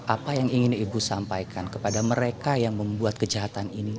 apa yang ingin ibu sampaikan kepada mereka yang membuat kejahatan ini